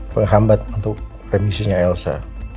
penghambat untuk remisinya elsa